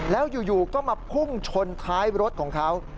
แล้วอยู่ก็มาพุ่งชนท้ายรถของเขา